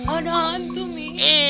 ada hantu mi